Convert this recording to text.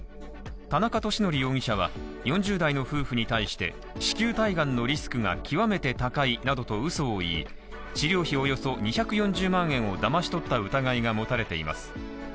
田中利典容疑者は、４０代の夫婦に対して子宮体がんのリスクが極めて高いなどとうそを言い、治療費およそ２４０万円をだまし取った疑いが持たれています。